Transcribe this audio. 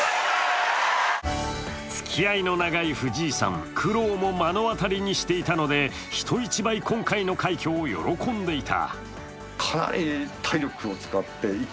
つきあいの長い藤井さん、苦労も目の当たりにしていたので、人一倍、今回の快挙を喜んでいた。